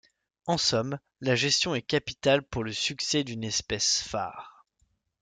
En somme, la gestion est capitale pour le succès d'une espèce phare.